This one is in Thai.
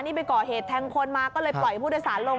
นี่ไปก่อเหตุแทงคนมาก็เลยปล่อยผู้โดยสารลง